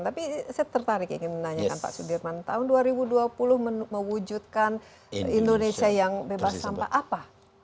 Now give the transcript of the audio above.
tapi saya tertarik ingin menanyakan pak sudirman tahun dua ribu dua puluh mewujudkan indonesia yang bebas sampah apa